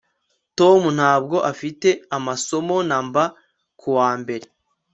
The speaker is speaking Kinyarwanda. Tom ntabwo afite amasomo namba kuwa mbere